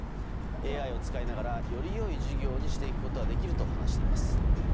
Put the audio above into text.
ＡＩを使いながらより良い授業にしていくことができると話しています。